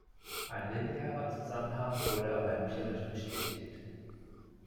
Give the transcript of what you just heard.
Ein linearer Zusammenhang wurde aber empirisch bestätigt.